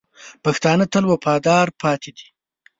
پښتانه تل وفادار پاتې دي.